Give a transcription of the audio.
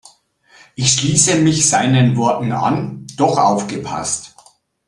Ich schließe mich seinen Worten an, doch aufgepasst!